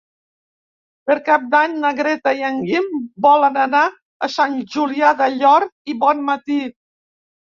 Per Cap d'Any na Greta i en Guim volen anar a Sant Julià del Llor i Bonmatí.